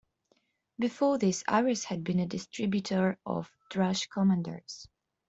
Before this, Ayres had been a distributor of Thrush Commanders.